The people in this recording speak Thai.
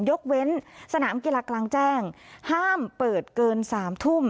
ยกเว้นสนามกีฬากลางแจ้งห้ามเปิดเกิน๓ทุ่ม